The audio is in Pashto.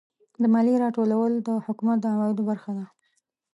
د مالیې راټولول د حکومت د عوایدو برخه ده.